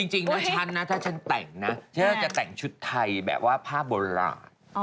จริงถ้าฉันนะถ้าฉันแต่งนะจะแต่งชุดไทยแบบว่าผ้าโบราณ